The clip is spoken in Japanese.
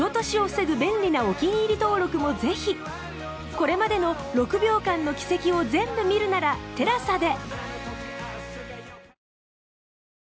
これまでの『６秒間の軌跡』を全部見るなら ＴＥＬＡＳＡ で